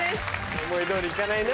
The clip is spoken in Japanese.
思い通りいかないな。